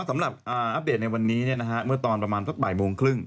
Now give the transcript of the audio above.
สำหรับอัปเดตในวันนี้นะฮะเมื่อตอนประมาณว่าป่าห์บ่ายโมงครึ่ง